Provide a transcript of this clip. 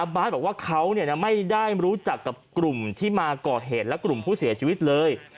บาทบอกว่าเขาไม่ได้รู้จักกับกลุ่มที่มาก่อเหตุและกลุ่มผู้เสียชีวิตเลย